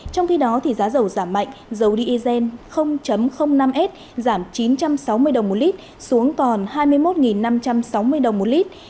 trong khi đó giá dầu giảm mạnh dầu diesel năm s giảm chín trăm sáu mươi đồng một lít xuống còn hai mươi một năm trăm sáu mươi đồng một lít